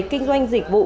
kinh doanh dịch vụ